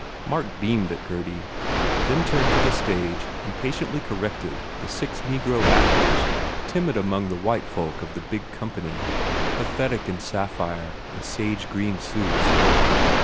Mark beamed at Gurdy, then turned to the stage and patiently corrected the six negro actors timid among the white folk of the big com pany, pathetic in sapphire and sage green suits.